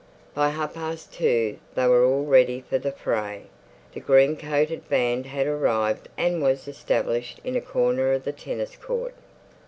By half past two they were all ready for the fray. The green coated band had arrived and was established in a corner of the tennis court.